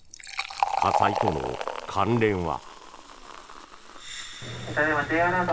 火災との関連は？